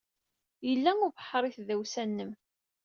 Yelha ubeḥḥer i tdawsa-nnem.